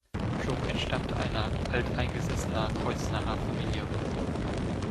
Schumm entstammte einer alteingesessener Kreuznacher Familie.